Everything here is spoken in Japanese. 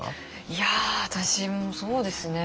いや私もそうですね。